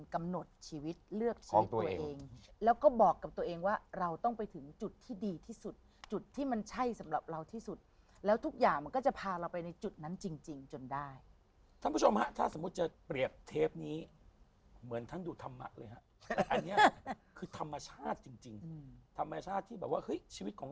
กำหนดชีวิตเลือกของตัวเองแล้วก็บอกกับตัวเองว่าเราต้องไปถึงจุดที่ดีที่สุดจุดที่มันใช่สำหรับเราที่สุดแล้วทุกอย่างมันก็จะพาเราไปในจุดนั้นจริงจริงจนได้ท่านผู้ชมฮะถ้าสมมุติจะเปรียบเทปนี้เหมือนท่านดูธรรมะเลยฮะอันนี้คือธรรมชาติจริงจริงธรรมชาติที่แบบว่าเฮ้ยชีวิตของ